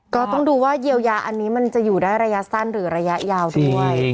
ก็ต้องดูว่าเยียวยาอันนี้มันจะอยู่ได้ระยะสั้นหรือระยะยาวด้วย